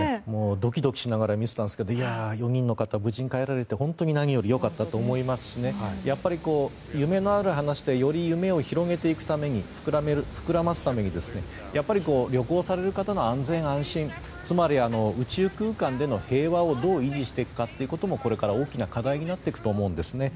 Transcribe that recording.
ドキドキしながら見ていたんですが４人の方が無事に帰られて何より良かったと思いますしやっぱり、夢のある話でより、その夢を膨らませるために旅行される方の安心・安全つまり、宇宙空間での平和をどう維持していくかもこれから、大きな課題になっていくと思うんですね。